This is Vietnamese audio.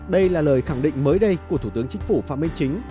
đây là lời khẳng định mới đây của thủ tướng chính phủ phạm minh chính